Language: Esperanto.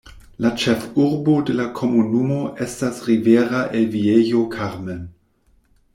La ĉefurbo de la komunumo estas Rivera el Viejo Carmen.